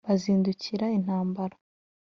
bazindukira intambara